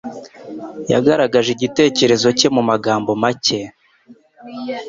Yagaragaje igitekerezo cye mumagambo make.